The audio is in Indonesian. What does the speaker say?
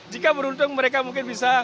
jika beruntung mereka mungkin bisa